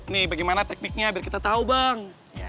nih bagaimana tekniknya biar kita tahu bang